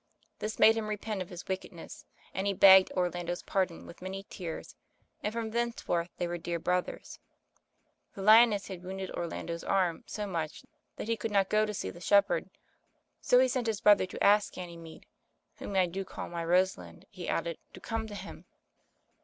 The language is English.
This made him repent of his wicked ness, and he begged Orlando's pardon with many tears, and from thenceforth they were dear brothers. The lioness had wounded Or lando's arm so much, that he could not go on to see the shepherd, so he sent his brother to ask Ganymede ("whom I do call my Rosa lind," he added) to come to him.